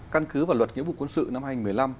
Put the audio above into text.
căn cứ vào luật nghĩa vụ quân sự năm hai nghìn một mươi năm